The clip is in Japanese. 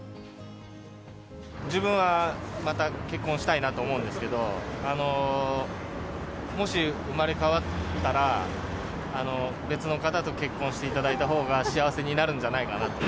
自分はまた結婚したいなと思うんですけど、もし生まれ変わったら、別の方と結婚していただいたほうが幸せになるんじゃないかなと。